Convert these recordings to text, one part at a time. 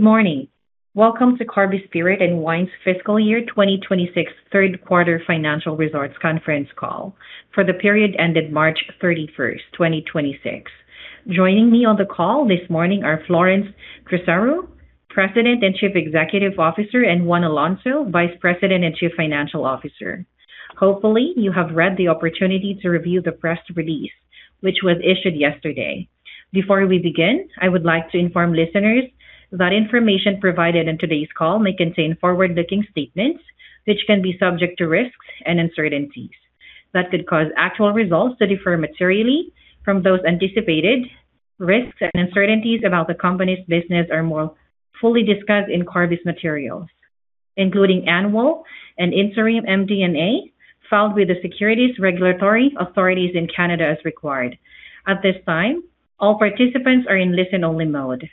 Morning. Welcome to Corby Spirit and Wine's fiscal year 2026 third quarter financial results conference call for the period ended March 31st, 2026. Joining me on the call this morning are Florence Tresarrieu, President and Chief Executive Officer, and Juan Alonso, Vice President and Chief Financial Officer. Hopefully, you have read the opportunity to review the press release, which was issued yesterday. Before we begin, I would like to inform listeners that information provided in today's call may contain forward-looking statements which can be subject to risks and uncertainties that could cause actual results to differ materially from those anticipated. Risks and uncertainties about the company's business are more fully discussed in Corby's materials, including annual and interim MD&A filed with the securities regulatory authorities in Canada as required. At this time, all participants are in listen-only mode.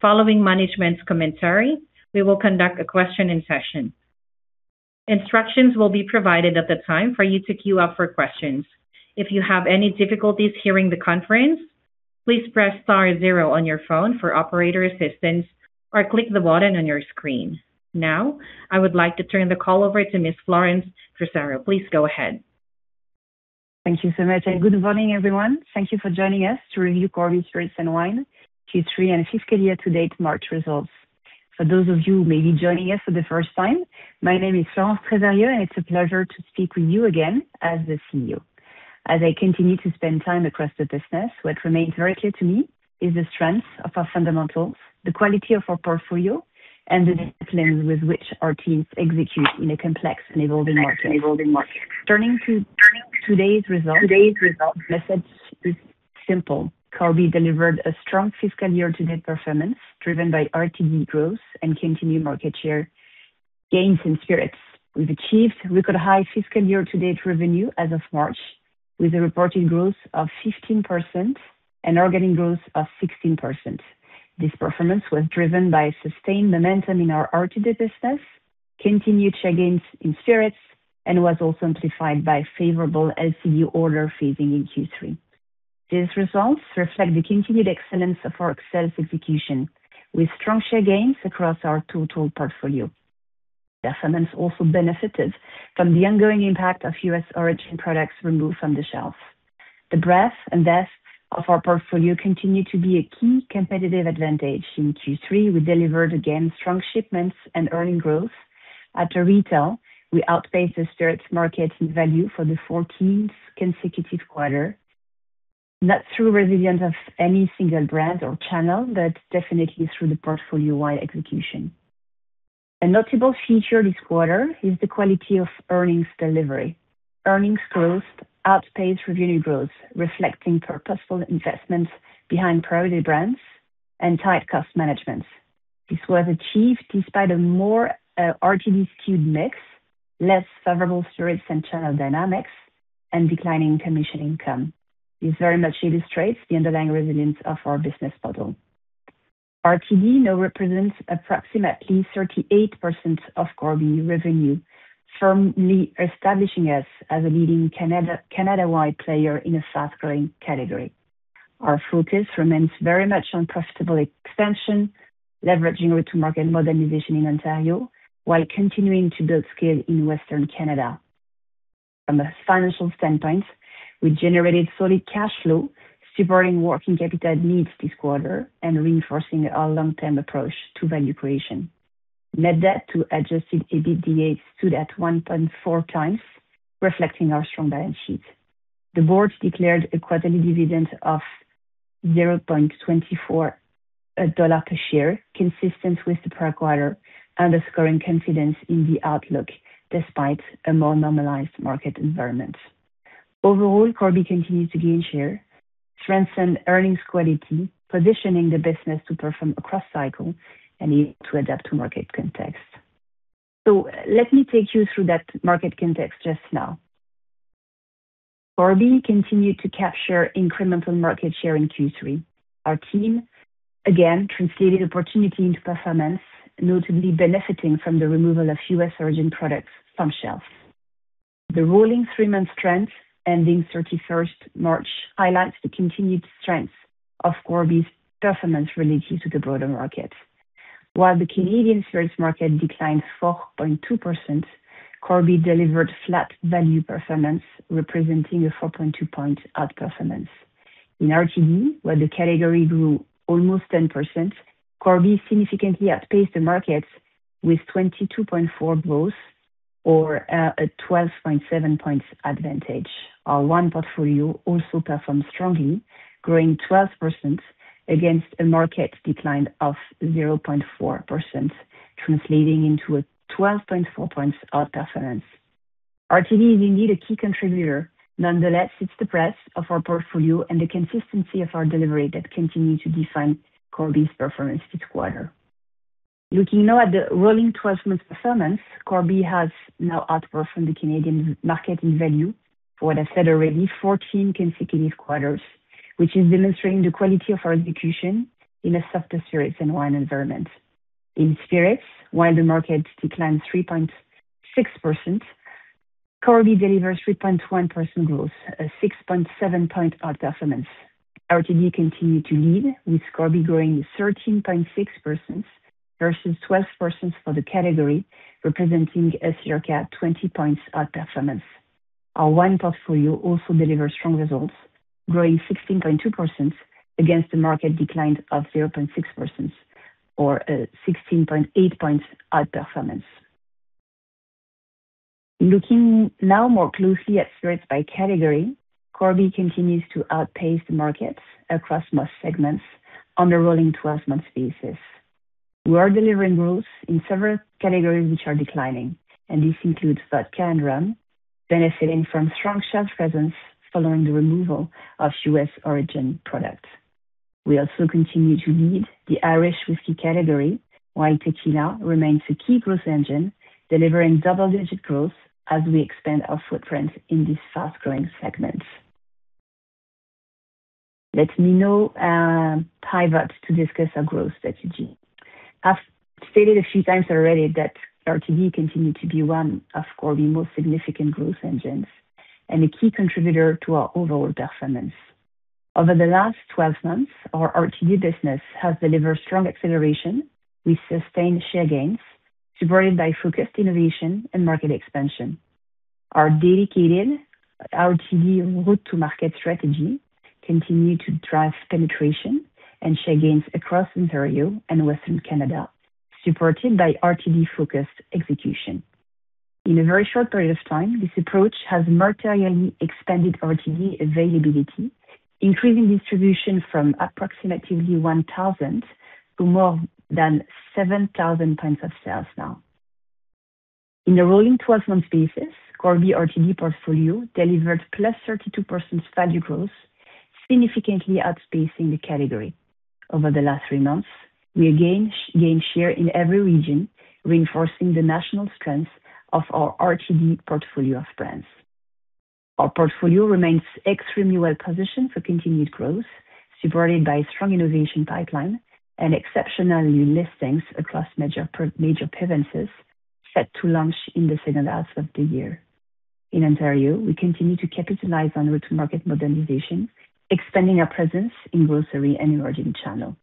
Following management's commentary, we will conduct a questioning session. Instructions will be provided at the time for you to queue up for questions. If you have any difficulties hearing the conference, please press star zero on your phone for operator assistance or click the button on your screen. Now, I would like to turn the call over to Ms. Florence Tresarrieu. Please go ahead. Thank you so much, and good morning, everyone. Thank you for joining us to review Corby Spirit and Wine Q3 and fiscal year-to-date March results. For those of you who may be joining us for the first time, my name is Florence Tresarrieu, and it's a pleasure to speak with you again as the CEO. As I continue to spend time across the business, what remains very clear to me is the strength of our fundamentals, the quality of our portfolio, and the discipline with which our teams execute in a complex and evolving market. Turning to today's results, the message is simple. Corby delivered a strong fiscal year-to-date performance, driven by RTD growth and continued market share gains in spirits. We've achieved record high fiscal year to date revenue as of March, with a reporting growth of 15% and organic growth of 16%. This performance was driven by sustained momentum in our RTD business, continued share gains in spirits, and was also amplified by favorable LCBO order phasing in Q3. These results reflect the continued excellence of our sales execution, with strong share gains across our total portfolio. Performance also benefited from the ongoing impact of U.S. origin products removed from the shelves. The breadth and depth of our portfolio continue to be a key competitive advantage. In Q3, we delivered again strong shipments and earning growth. At retail, we outpaced the spirits market in value for the 14th consecutive quarter. Not through resilience of any single brand or channel, but definitely through the portfolio-wide execution. A notable feature this quarter is the quality of earnings delivery. Earnings growth outpaced revenue growth, reflecting purposeful investments behind priority brands and tight cost management. This was achieved despite a more RTD skewed mix, less favorable spirits and channel dynamics, and declining commission income. This very much illustrates the underlying resilience of our business model. RTD now represents approximately 38% of Corby revenue, firmly establishing us as a leading Canada-wide player in a fast-growing category. Our focus remains very much on profitable expansion, leveraging go-to-market modernization in Ontario while continuing to build scale in Western Canada. From a financial standpoint, we generated solid cash flow, supporting working capital needs this quarter and reinforcing our long-term approach to value creation. Net debt to adjusted EBITDA stood at 1.4x, reflecting our strong balance sheet. The Board declared a quarterly dividend of 0.24 dollar per share, consistent with the per quarter, underscoring confidence in the outlook despite a more normalized market environment. Overall, Corby continues to gain share, strengthen earnings quality, positioning the business to perform across cycle and able to adapt to market context. Let me take you through that market context just now. Corby continued to capture incremental market share in Q3. Our team, again, translated opportunity into performance, notably benefiting from the removal of U.S. origin products from shelves. The rolling three-month trend ending 31st March highlights the continued strength of Corby's performance relative to the broader market. While the Canadian spirits market declined 4.2%, Corby delivered flat value performance, representing a 4.2 point outperformance. In RTD, where the category grew almost 10%, Corby significantly outpaced the market with 22.4% growth or a 12.7 points advantage. Our wine portfolio also performed strongly, growing 12% against a market decline of 0.4%, translating into a 12.4 points outperformance. RTD is indeed a key contributor. Nonetheless, it's the breadth of our portfolio and the consistency of our delivery that continue to define Corby's performance each quarter. Looking now at the rolling 12-month performance, Corby has now outperformed the Canadian market in value for what I said already, 14 consecutive quarters, which is demonstrating the quality of our execution in a softer spirits and wine environment. In spirits, while the market declined 3.6%, Corby delivers 3.1% growth, a 6.7 point outperformance. RTD continue to lead with Corby growing 13.6% versus 12% for the category, representing a category 20 points outperformance. Our wine portfolio also delivers strong results, growing 16.2% against the market decline of 0.6% or a 16.8 points outperformance. Looking now more closely at spirits by category, Corby continues to outpace the markets across most segments on a rolling 12 months basis. We are delivering growth in several categories which are declining, and this includes vodka and rum, benefiting from strong shelf presence following the removal of U.S. origin products. We also continue to lead the Irish whiskey category, while tequila remains a key growth engine, delivering double digit growth as we expand our footprint in these fast-growing segments. Let me now pivot to discuss our growth strategy. I've stated a few times already that RTD continue to be one of Corby most significant growth engines and a key contributor to our overall performance. Over the last 12 months, our RTD business has delivered strong acceleration with sustained share gains, supported by focused innovation and market expansion. Our dedicated RTD route to market strategy continue to drive penetration and share gains across Ontario and Western Canada, supported by RTD-focused execution. In a very short period of time, this approach has materially expanded RTD availability, increasing distribution from approximately 1,000 to more than 7,000 points of sales now. In a rolling 12-month basis, Corby RTD portfolio delivered +32% value growth, significantly outpacing the category. Over the last three months, we again gain share in every region, reinforcing the national strength of our RTD portfolio of brands. Our portfolio remains extremely well positioned for continued growth, supported by a strong innovation pipeline and exceptionally listings across major provinces set to launch in the second half of the year. In Ontario, we continue to capitalize on route to market modernization, expanding our presence in grocery and emerging channel.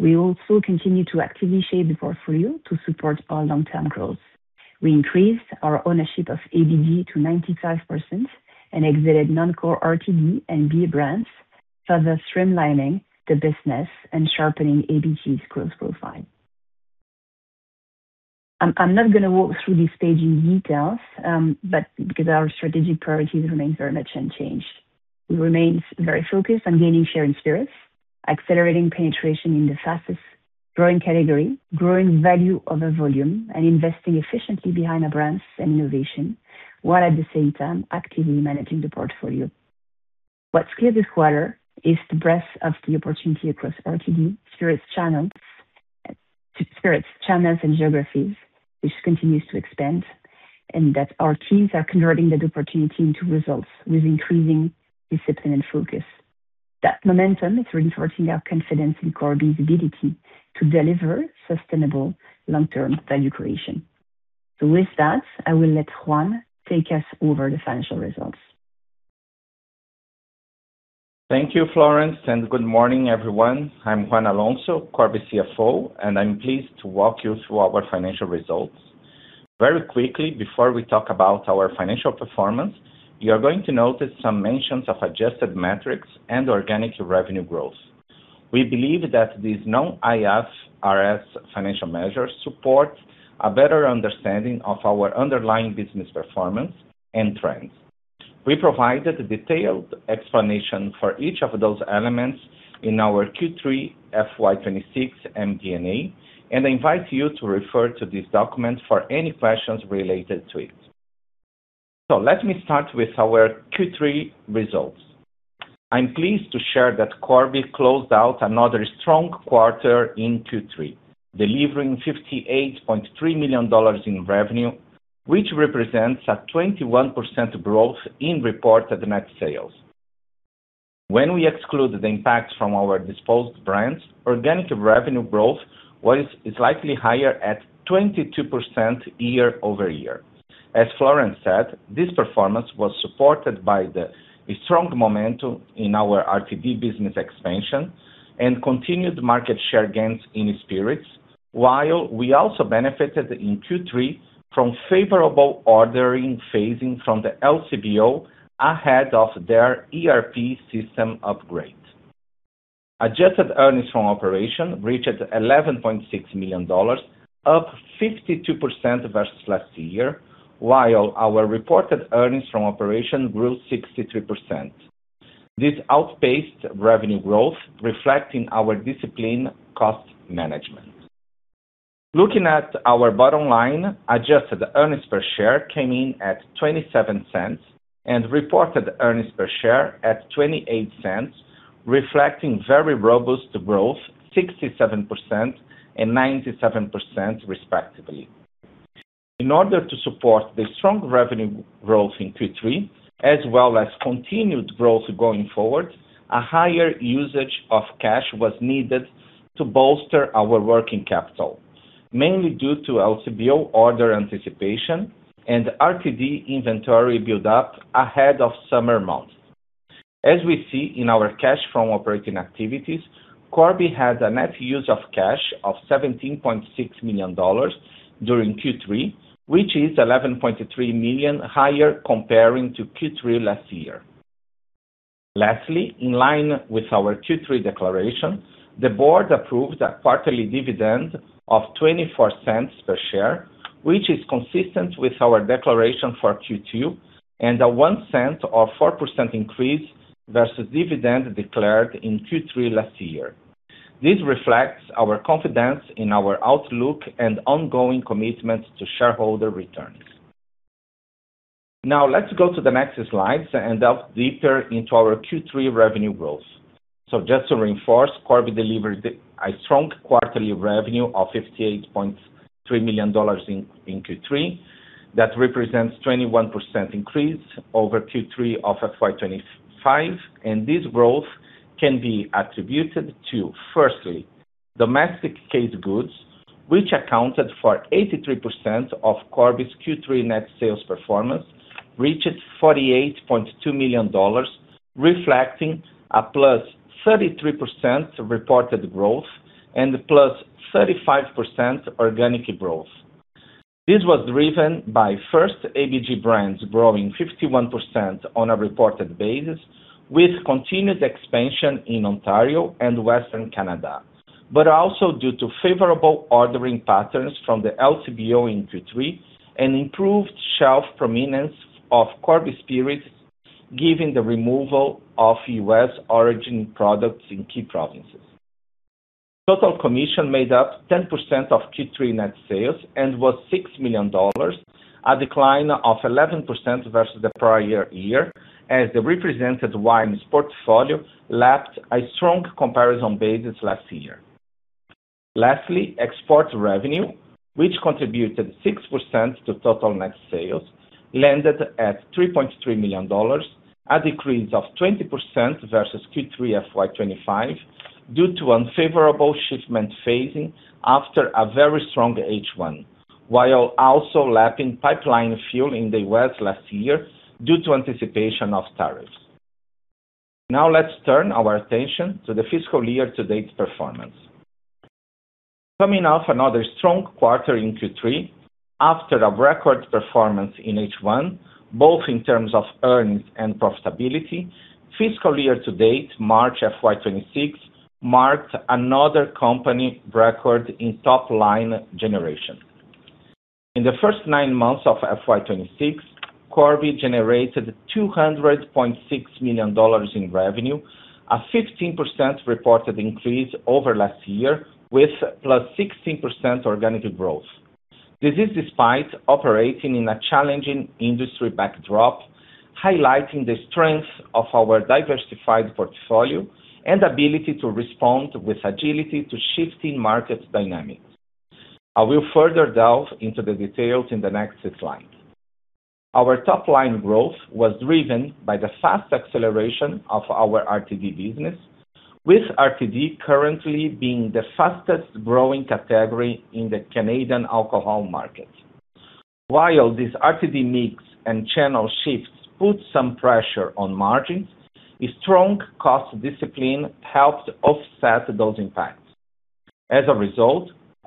We also continue to actively shape the portfolio to support our long-term growth. We increased our ownership of ABG to 95% and exited non-core RTD and beer brands, further streamlining the business and sharpening ABG's growth profile. I'm not gonna walk through the staging details, because our strategic priorities remain very much unchanged. We remain very focused on gaining share in spirits, accelerating penetration in the fastest-growing category, growing value of a volume, and investing efficiently behind our brands and innovation, while at the same time actively managing the portfolio. What's clear this quarter is the breadth of the opportunity across RTD, spirits channels and geographies, which continues to expand, and that our teams are converting that opportunity into results with increasing discipline and focus. That momentum is reinforcing our confidence in Corby's ability to deliver sustainable long-term value creation. With that, I will let Juan take us over the financial results. Thank you, Florence, good morning, everyone. I'm Juan Alonso, Corby CFO, and I'm pleased to walk you through our financial results. Very quickly, before we talk about our financial performance, you are going to notice some mentions of adjusted metrics and organic revenue growth. We believe that these non-IFRS financial measures support a better understanding of our underlying business performance and trends. We provided a detailed explanation for each of those elements in our Q3 FY 2026 MD&A, and I invite you to refer to this document for any questions related to it. Let me start with our Q3 results. I'm pleased to share that Corby closed out another strong quarter in Q3, delivering CAD 58.3 million in revenue, which represents a 21% growth in reported net sales. When we exclude the impact from our disposed brands, organic revenue growth was slightly higher at 22% year-over-year. As Florence said, this performance was supported by the strong momentum in our RTD business expansion and continued market share gains in spirits, while we also benefited in Q3 from favorable ordering phasing from the LCBO ahead of their ERP system upgrade. Adjusted earnings from operation reached 11.6 million dollars, up 52% versus last year, while our reported earnings from operation grew 63%. This outpaced revenue growth, reflecting our disciplined cost management. Looking at our bottom line, adjusted earnings per share came in at 0.27 and reported earnings per share at 0.28, reflecting very robust growth, 67% and 97% respectively. In order to support the strong revenue growth in Q3, as well as continued growth going forward, a higher usage of cash was needed to bolster our working capital, mainly due to LCBO order anticipation and RTD inventory build-up ahead of summer months. As we see in our cash from operating activities, Corby had a net use of cash of 17.6 million dollars during Q3, which is 11.3 million higher comparing to Q3 last year. Lastly, in line with our Q3 declaration, the Board approved a quarterly dividend of 0.24 per share, which is consistent with our declaration for Q2 and a 0.01 or 4% increase versus dividend declared in Q3 last year. This reflects our confidence in our outlook and ongoing commitment to shareholder returns. Now let's go to the next slides and delve deeper into our Q3 revenue growth. Just to reinforce, Corby delivered a strong quarterly revenue of 58.3 million dollars in Q3. That represents 21% increase over Q3 of FY 2025, and this growth can be attributed to, firstly, domestic case goods, which accounted for 83% of Corby's Q3 net sales performance, reached 48.2 million dollars, reflecting a +33% reported growth and +35% organic growth. This was driven by first ABG brands growing 51% on a reported basis with continuous expansion in Ontario and Western Canada. Also due to favorable ordering patterns from the LCBO in Q3 and improved shelf prominence of Corby Spirits, given the removal of U.S. origin products in key provinces. Total commission made up 10% of Q3 net sales and was 6 million dollars, a decline of 11% versus the prior year as the represented wines portfolio lapped a strong comparison basis last year. Lastly, export revenue, which contributed 6% to total net sales, landed at 3.3 million dollars, a decrease of 20% versus Q3 FY 2025 due to unfavorable shipment phasing after a very strong H1, while also lapping pipeline fill in the U.S. last year due to anticipation of tariffs. Let's turn our attention to the fiscal year-to-date performance. Coming off another strong quarter in Q3 after a record performance in H1, both in terms of earnings and profitability, fiscal year-to-date, March FY 2026, marked another company record in top line generation. In the first nine months of FY 2026, Corby generated 200.6 million dollars in revenue, a 15% reported increase over last year with +16% organic growth. This is despite operating in a challenging industry backdrop, highlighting the strength of our diversified portfolio and ability to respond with agility to shifting market dynamics. I will further delve into the details in the next slide. Our top line growth was driven by the fast acceleration of our RTD business, with RTD currently being the fastest-growing category in the Canadian alcohol market. While this RTD mix and channel shifts put some pressure on margins, a strong cost discipline helped offset those impacts. As a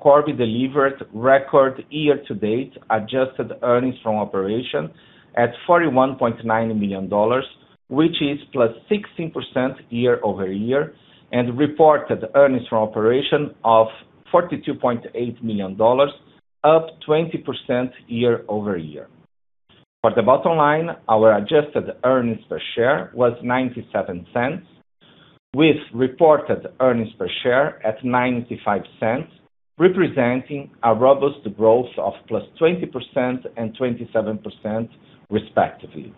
result, Corby delivered record year-to-date adjusted earnings from operation at 41.9 million dollars, which is +16% year-over-year, and reported earnings from operation of 42.8 million dollars, up 20% year-over-year. For the bottom line, our adjusted earnings per share was 0.97, with reported earnings per share at 0.95, representing a robust growth of +20% and 27% respectively.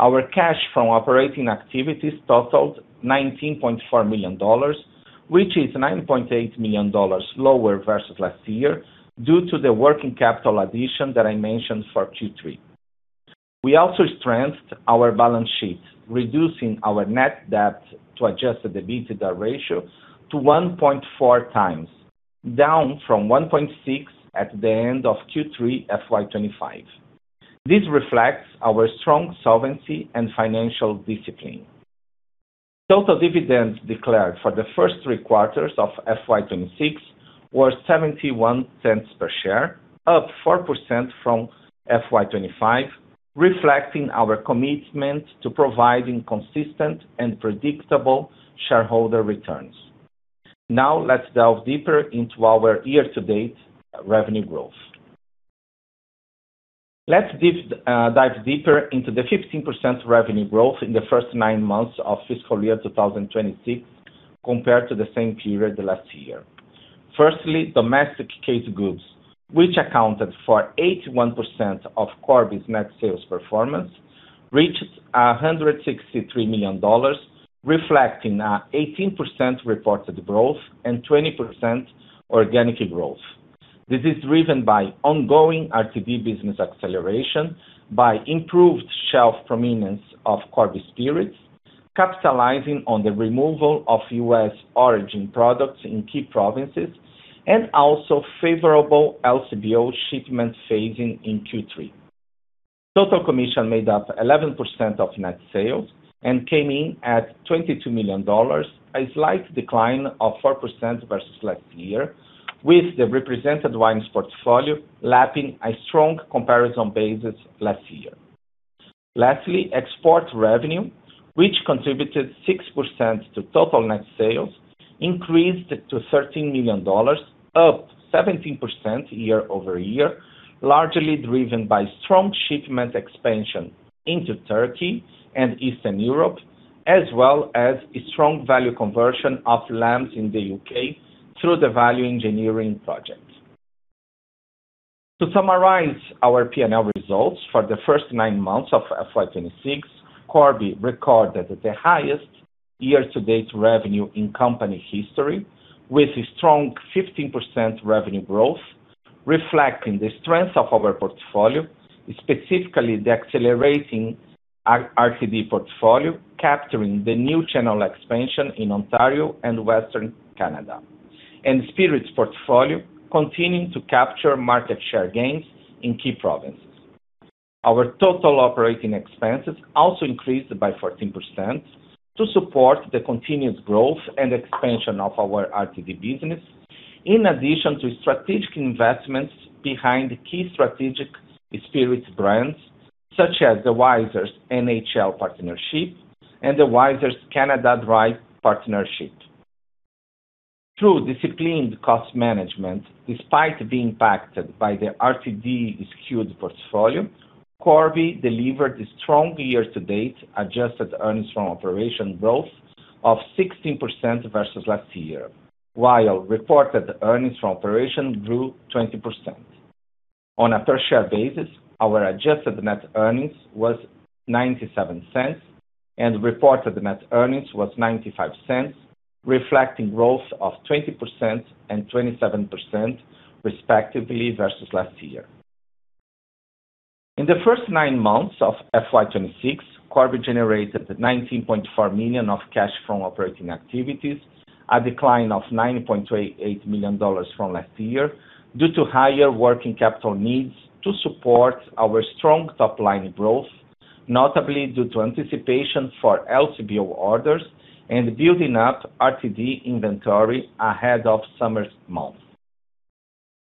Our cash from operating activities totaled 19.4 million dollars, which is 9.8 million dollars lower versus last year due to the working capital addition that I mentioned for Q3. We also strengthened our balance sheet, reducing our net debt to adjusted EBITDA ratio to 1.4x, down from 1.6x at the end of Q3 FY 2025. This reflects our strong solvency and financial discipline. Total dividends declared for the first three quarters of FY 2026 were 0.71 per share, up 4% from FY 2025, reflecting our commitment to providing consistent and predictable shareholder returns. Now let's delve deeper into our year-to-date revenue growth. Let's dive deeper into the 15% revenue growth in the first nine months of fiscal year 2026 compared to the same period last year. Firstly, domestic case goods, which accounted for 81% of Corby's net sales performance, reached 163 million dollars, reflecting a 18% reported growth and 20% organic growth. This is driven by ongoing RTD business acceleration, by improved shelf prominence of Corby Spirits, capitalizing on the removal of U.S. origin products in key provinces, and also favorable LCBO shipment phasing in Q3. Total commission made up 11% of net sales and came in at 22 million dollars, a slight decline of 4% versus last year, with the represented wines portfolio lapping a strong comparison basis last year. Lastly, export revenue, which contributed 6% to total net sales, increased to 13 million dollars, up 17% year-over-year, largely driven by strong shipment expansion into Turkey and Eastern Europe, as well as a strong value conversion of Lamb's in the U.K. through the value engineering project. To summarize our P&L results for the first nine months of FY 2026, Corby recorded the highest year-to-date revenue in company history, with a strong 15% revenue growth, reflecting the strength of our portfolio, specifically the accelerating our RTD portfolio, capturing the new channel expansion in Ontario and Western Canada, and spirits portfolio continuing to capture market share gains in key provinces. Our total operating expenses also increased by 14% to support the continuous growth and expansion of our RTD business, in addition to strategic investments behind key strategic spirits brands, such as the Wiser's NHL partnership and the Wiser's Canada Dry partnership. Through disciplined cost management, despite being impacted by the RTD skewed portfolio, Corby delivered a strong year-to-date adjusted earnings from operation growth of 16% versus last year, while reported earnings from operation grew 20%. On a per-share basis, our adjusted net earnings was 0.97, and reported net earnings was 0.95, reflecting growth of 20% and 27% respectively versus last year. In the first nine months of FY 2026, Corby generated 19.4 million of cash from operating activities, a decline of 9.88 million dollars from last year due to higher working capital needs to support our strong top-line growth, notably due to anticipation for LCBO orders and building up RTD inventory ahead of summer's month.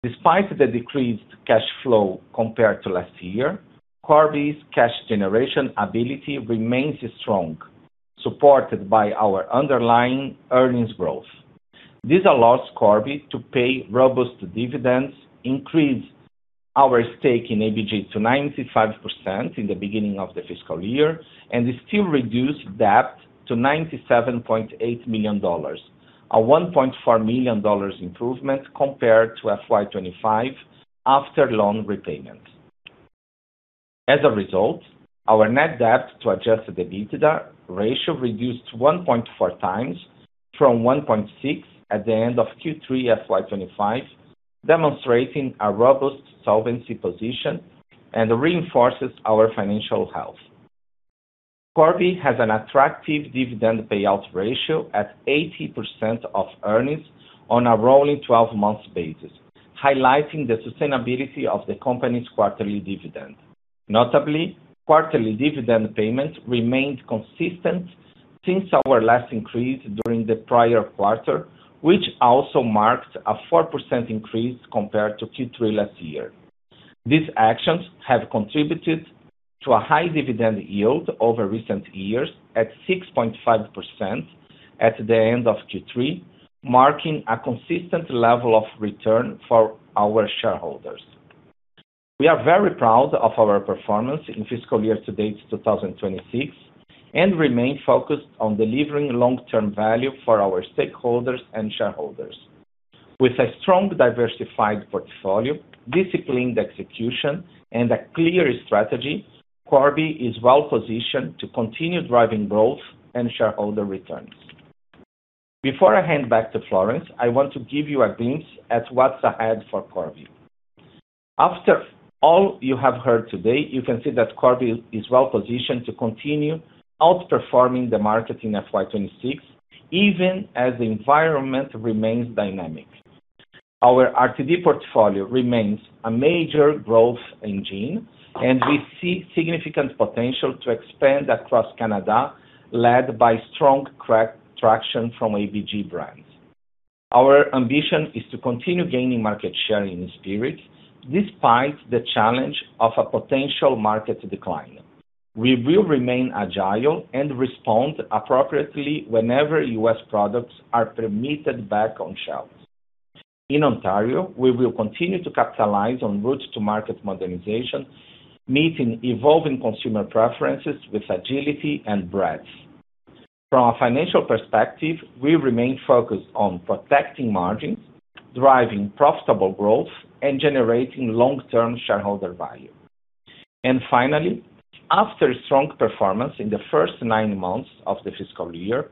Despite the decreased cash flow compared to last year, Corby's cash generation ability remains strong, supported by our underlying earnings growth. This allows Corby to pay robust dividends, increase our stake in ABG to 95% in the beginning of the fiscal year, and still reduce debt to 97.8 million dollars, a 1.4 million dollars improvement compared to FY 2025 after loan repayment. As a result, our net debt to adjusted EBITDA ratio reduced 1.4x from 1.6x at the end of Q3 FY 2025, demonstrating a robust solvency position and reinforces our financial health. Corby has an attractive dividend payout ratio at 80% of earnings on a rolling 12-month basis, highlighting the sustainability of the company's quarterly dividend. Notably, quarterly dividend payments remained consistent since our last increase during the prior quarter, which also marked a 4% increase compared to Q3 last year. These actions have contributed to a high dividend yield over recent years at 6.5% at the end of Q3, marking a consistent level of return for our shareholders. We are very proud of our performance in fiscal year to date 2026 and remain focused on delivering long-term value for our stakeholders and shareholders. With a strong, diversified portfolio, disciplined execution, and a clear strategy, Corby is well-positioned to continue driving growth and shareholder returns. Before I hand back to Florence, I want to give you a glimpse at what's ahead for Corby. After all you have heard today, you can see that Corby is well-positioned to continue outperforming the market in FY 2026, even as the environment remains dynamic. Our RTD portfolio remains a major growth engine, and we see significant potential to expand across Canada, led by strong traction from ABG brands. Our ambition is to continue gaining market share in spirits despite the challenge of a potential market decline. We will remain agile and respond appropriately whenever U.S. products are permitted back on shelves. In Ontario, we will continue to capitalize on route to market modernization, meeting evolving consumer preferences with agility and breadth. From a financial perspective, we remain focused on protecting margins, driving profitable growth, and generating long-term shareholder value. Finally, after strong performance in the first nine months of the fiscal year,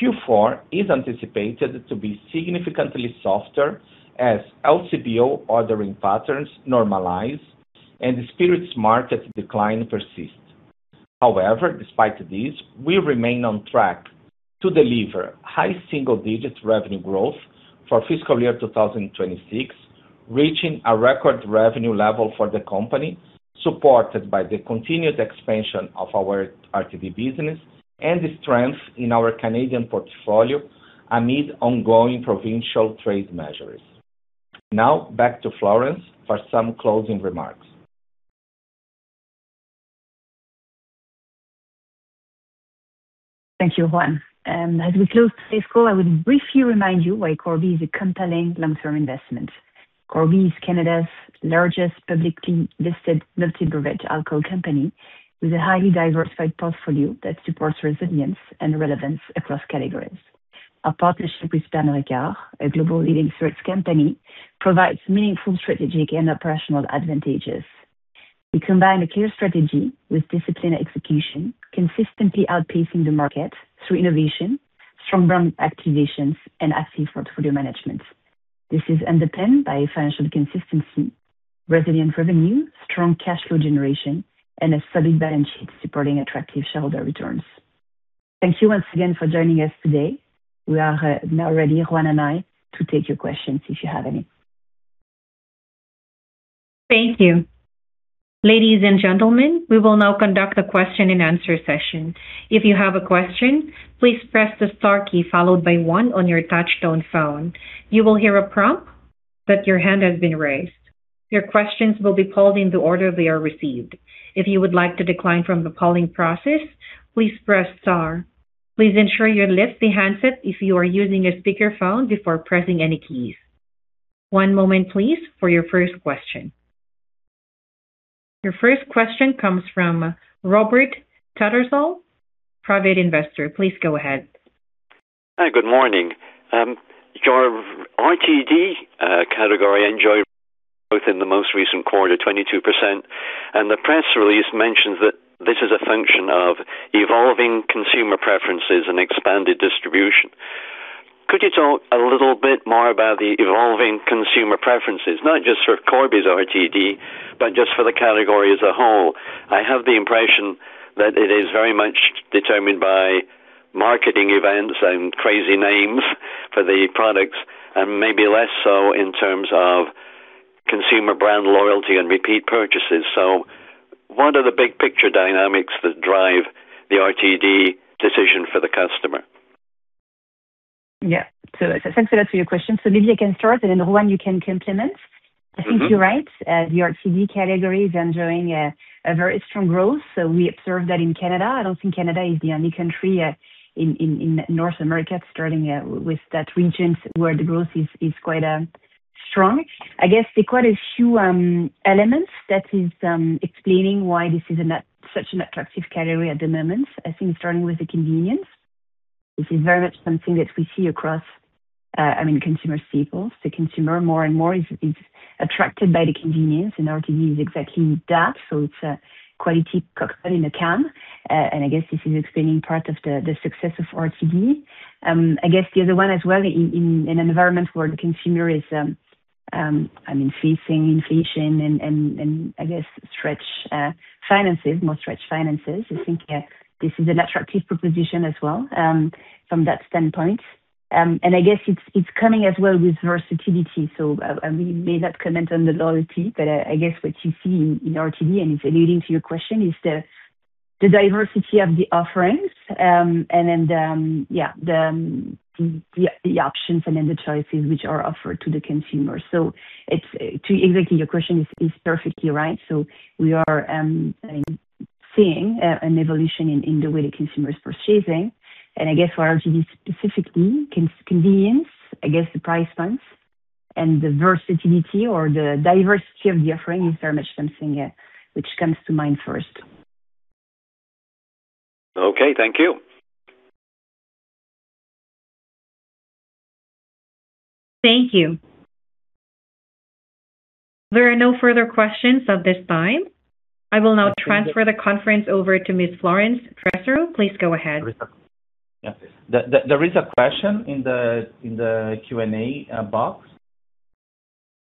Q4 is anticipated to be significantly softer as LCBO ordering patterns normalize and spirits market decline persist. However, despite this, we remain on track to deliver high-single digit revenue growth for fiscal year 2026, reaching a record revenue level for the company, supported by the continued expansion of our RTD business and the strength in our Canadian portfolio amid ongoing provincial trade measures. Now back to Florence for some closing remarks. Thank you, Juan. As we close this call, I would briefly remind you why Corby is a compelling long-term investment. Corby is Canada's largest publicly listed multi-beverage alcohol company with a highly diversified portfolio that supports resilience and relevance across categories. Our partnership with Pernod Ricard, a global leading spirits company, provides meaningful strategic and operational advantages. We combine a clear strategy with disciplined execution, consistently outpacing the market through innovation, strong brand activations, and active portfolio management. This is underpinned by financial consistency, resilient revenue, strong cash flow generation, and a solid balance sheet supporting attractive shareholder returns. Thank you once again for joining us today. We are now ready, Juan and I, to take your questions if you have any. Your first question comes from Robert Tattersall, Private Investor. Please go ahead. Hi, good morning. Your RTD category enjoyed both in the most recent quarter, 22%. The press release mentions that this is a function of evolving consumer preferences and expanded distribution. Could you talk a little bit more about the evolving consumer preferences, not just for Corby's RTD, but just for the category as a whole? I have the impression that it is very much determined by marketing events and crazy names for the products and maybe less so in terms of consumer brand loyalty and repeat purchases. What are the big picture dynamics that drive the RTD decision for the customer? Yeah. Thanks a lot for your question. Maybe I can start, and then Juan, you can complement. I think you're right. The RTD category is enjoying a very strong growth. We observe that in Canada. I don't think Canada is the only country in North America, starting with that region where the growth is quite strong. I guess there are quite a few elements that is explaining why this is such an attractive category at the moment. I think starting with the convenience. This is very much something that we see across, I mean, consumer staples. The consumer more and more is attracted by the convenience, and RTD is exactly that. It's a quality cocktail in a can. I guess this is explaining part of the success of RTD. I guess the other one as well in an environment where the consumer is, I mean, facing inflation and I guess stretched finances, more stretched finances. I think this is an attractive proposition as well from that standpoint. And I guess it's coming as well with versatility. And we may not comment on the loyalty, but I guess what you see in RTD, and it's alluding to your question, is the diversity of the offerings, and then, yeah, the options and then the choices which are offered to the consumer. Exactly, your question is perfectly right. We are, I mean, seeing an evolution in the way the consumer is purchasing. I guess for RTD specifically, convenience, I guess the price points and the versatility or the diversity of the offering is very much something which comes to mind first. Okay. Thank you. Thank you. There are no further questions at this time. I will now transfer the conference over to Ms. Florence Tresarrieu. Please go ahead. Yeah. There is a question in the Q&A box.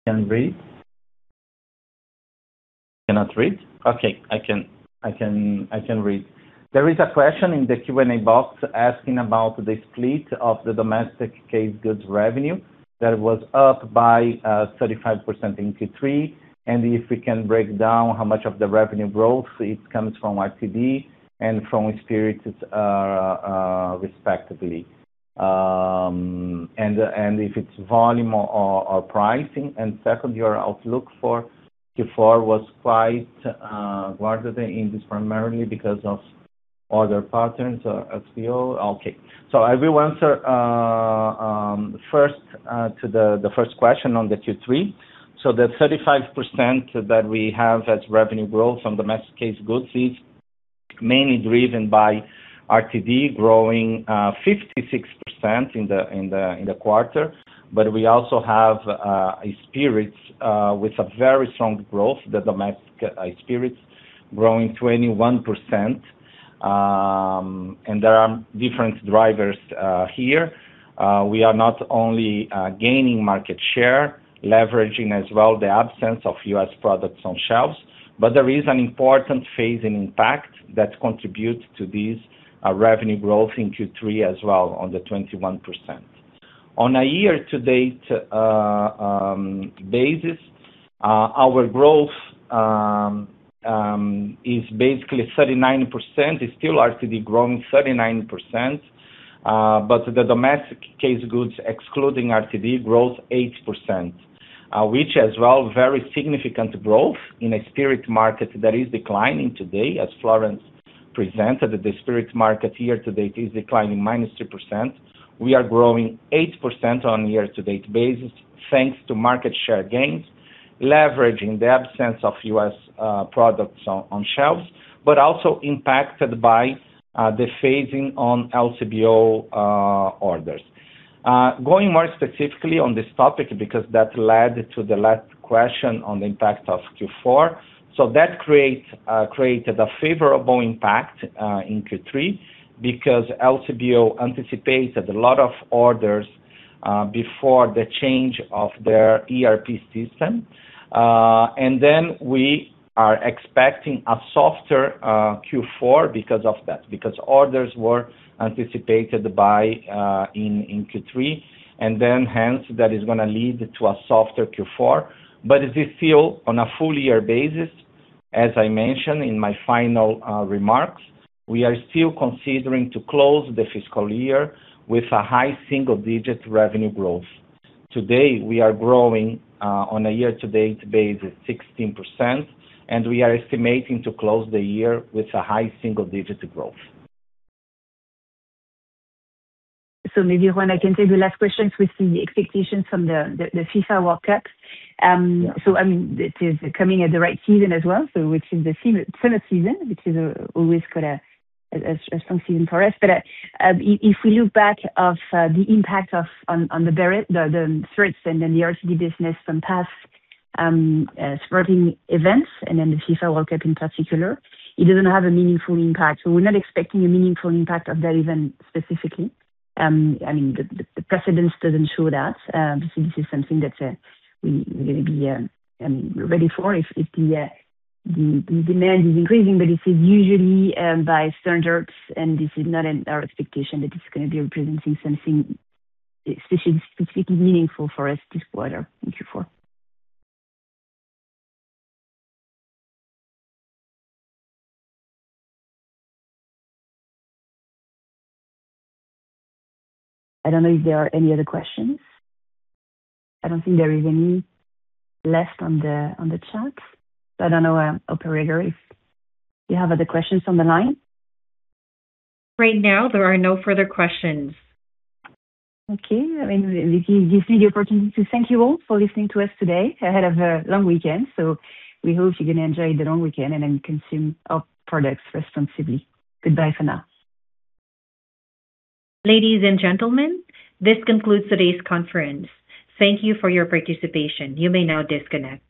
Can read? Cannot read? Okay. I can read. There is a question in the Q&A box asking about the split of the domestic case goods revenue that was up by 35% in Q3, and if we can break down how much of the revenue growth it comes from RTD and from spirits, respectively. If it's volume or pricing? Second, your outlook for Q4 was quite broader than in this, primarily because of other patterns or LCBO. Okay. I will answer first to the first question on the Q3. The 35% that we have as revenue growth on domestic case goods is mainly driven by RTD growing 56% in the quarter. We also have spirits with a very strong growth, the domestic spirits growing 21%. There are different drivers here. We are not only gaining market share, leveraging as well the absence of U.S. products on shelves, but there is an important phasing impact that contribute to this revenue growth in Q3 as well, on the 21%. On a year-to-date basis, our growth is basically 39%. It's still RTD growing 39%. The domestic case goods, excluding RTD, grows 8%. Which as well, very significant growth in a spirit market that is declining today. As Florence presented, the spirit market year-to-date is declining -2%. We are growing 8% on year-to-date basis, thanks to market share gains, leveraging the absence of U.S. products on shelves, but also impacted by the phasing on LCBO orders. Going more specifically on this topic, because that led to the last question on the impact of Q4. That created a favorable impact in Q3, because LCBO anticipated a lot of orders before the change of their ERP system. We are expecting a softer Q4 because of that, because orders were anticipated in Q3, and then hence, that is gonna lead to a softer Q4. It is still on a full year basis, as I mentioned in my final remarks, we are still considering to close the fiscal year with a high-single digit revenue growth. Today, we are growing on a year-to-date basis 16%, and we are estimating to close the year with a high-single digit growth. Maybe, Juan, I can take the last question with the expectations from the FIFA World Cup. I mean, it is coming at the right season as well. Which is the summer season, which is always got a strong season for us. If we look back of the impact of the threats and then the RTD business from past sporting events and then the FIFA World Cup in particular, it doesn't have a meaningful impact. We're not expecting a meaningful impact of that event specifically. I mean, the precedence doesn't show that. This is something that we're gonna be, I mean, ready for if the demand is increasing. This is usually, by standards, and this is not in our expectation that it's gonna be representing something specifically meaningful for us this quarter in Q4. I don't know if there are any other questions. I don't think there is any left on the chat. I don't know, Operator, if you have other questions on the line. Right now there are no further questions. Okay. I mean, this is the opportunity to thank you all for listening to us today ahead of a long weekend. We hope you're gonna enjoy the long weekend and then consume our products responsibly. Goodbye for now. Ladies and gentlemen, this concludes today's conference. Thank you for your participation. You may now disconnect.